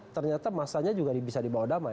ternyata masanya juga bisa dibawa damai